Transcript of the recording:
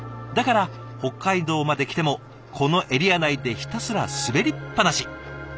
だから北海道まで来てもこのエリア内でひたすら滑りっぱなし。